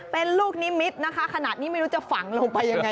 เป็นลูกนิมิตรนะคะขนาดนี้ไม่รู้จะฝังลงไปยังไง